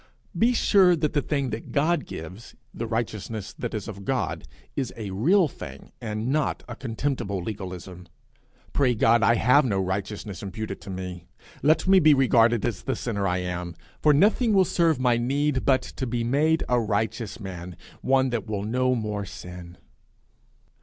Be sure that the thing that God gives, the righteousness that is of God, is a real thing, and not a contemptible legalism. Pray God I have no righteousness imputed to me. Let me be regarded as the sinner I am; for nothing will serve my need but to be made a righteous man, one that will no more sin.